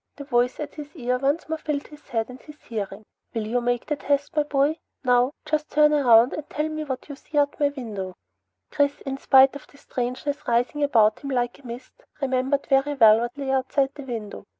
The voice at his ear once more filled his head and his hearing. "You will make the test, my boy. Now. Just turn around, and tell me what you see out my window." Chris, in spite of the strangeness rising about him like a mist, remembered very well what lay outside the window.